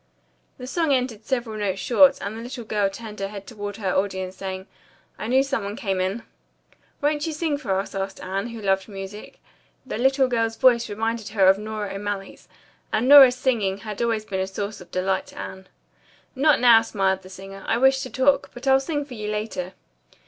The song ended several notes short and the little girl turned her head toward her audience, saying, "I knew some one came in." "Won't you sing for us?" asked Anne, who loved music. The little girl's voice reminded her of Nora O'Malley's, and Nora's singing had always been a source of delight to Anne. "Not now," smiled the singer. "I wish to talk, but I'll sing for you later."